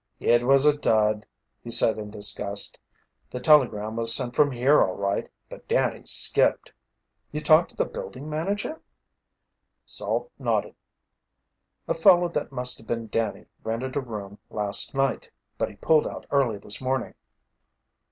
"It was a dud," he said in disgust. "The telegram was sent from here all right, but Danny's skipped." "You talked to the building manager?" Salt nodded. "A fellow that must have been Danny rented a room last night, but he pulled out early this morning."